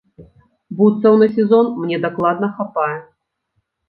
Бутсаў на сезон мне дакладна хапае.